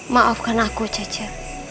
maafkan aku jeje